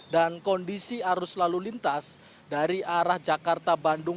dan kondisi arus lalu lintas dari arah jakarta bandung